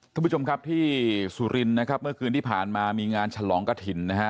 ท่านผู้ชมครับที่สุรินทร์นะครับเมื่อคืนที่ผ่านมามีงานฉลองกระถิ่นนะฮะ